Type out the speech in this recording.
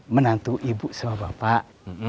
menantu ibu sama bapak